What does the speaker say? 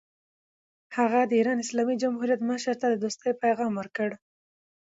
هغه د ایران اسلامي جمهوریت مشر ته د دوستۍ پیغام ورکړ.